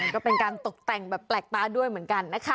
ก็เป็นการตกแต่งแบบแปลกตาด้วยเหมือนกันนะคะ